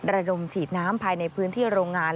ระดมฉีดน้ำภายในพื้นที่โรงงาน